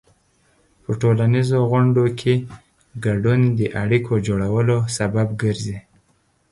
په ټولنیزو غونډو کې ګډون د اړیکو جوړولو سبب ګرځي.